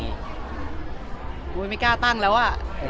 เลยมันไม่กล้าตั้งแล้วอ่ะ